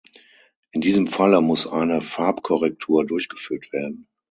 In diesem Falle muss eine Farbkorrektur durchgeführt werden.